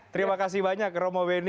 terima kasih banyak romo beni